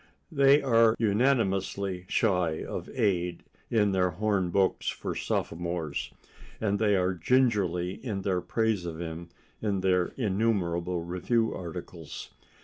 They are unanimously shy of Ade in their horn books for sophomores, and they are gingery in their praise of him in their innumerable review articles.